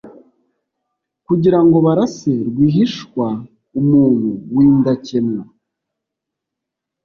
kugira ngo barase rwihishwa umuntu w'indakemwa